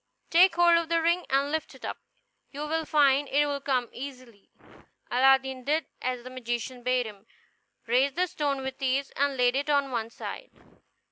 Take hold of the ring and lift it up; you will find it will come easily." Aladdin did as the magician bade him, raised the stone with ease, and laid it on one side.